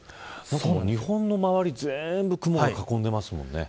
日本の周り全部雲が囲んでいますもんね。